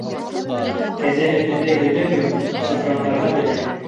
Кәзә һөтөндәй һөтөң юҡ, сыпрандарға беләһең!